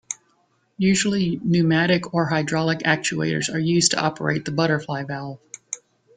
Usually pneumatic or hydraulic actuators are used to operate the butterfly valve.